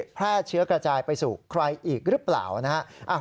แพร่เชื้อกระจายไปสู่ใครอีกหรือเปล่านะฮะ